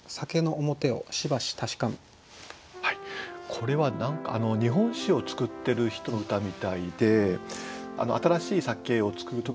これは日本酒を造ってる人の歌みたいで新しい酒を造る時にですね